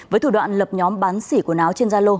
với thủ đoạn lập nhóm bán xỉ quần áo trên gia lô